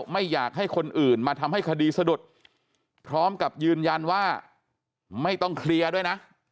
ไม่อยากให้คนอื่นมาทำให้คดีสะดุดพร้อมกับยืนยันว่าไม่ต้องเคลียร์ด้วยนะ